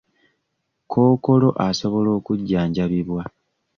Kkookolo asobola okujjanjabibwa.